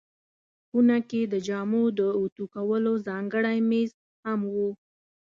خونه کې د جامو د اوتو کولو ځانګړی مېز هم و.